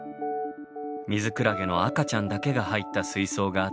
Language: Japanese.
ミズクラゲの赤ちゃんだけが入った水槽がずらり。